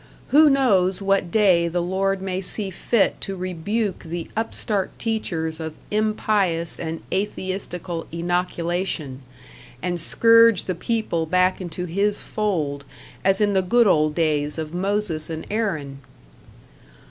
Who knows what day the Lord may see fit to rebuke the upstart teachers of impious and atheistical inoculation, and scourge the people back into His fold as in the good old days of Moses and Aaron?